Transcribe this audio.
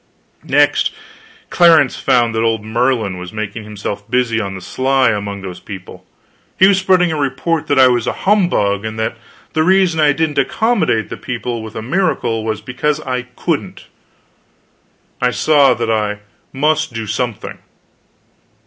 Next, Clarence found that old Merlin was making himself busy on the sly among those people. He was spreading a report that I was a humbug, and that the reason I didn't accommodate the people with a miracle was because I couldn't. I saw that I must do something.